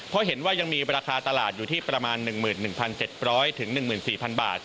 เพราะเห็นว่ายังมีราคาตลาดอยู่ที่ประมาณ๑๑๗๐๐๑๔๐๐บาท